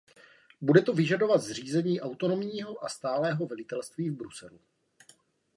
Bude to vyžadovat zřízení autonomního a stálého velitelství v Bruselu.